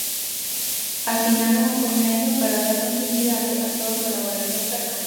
Asinaron o convenio para dar continuidade á súa colaboración permanente.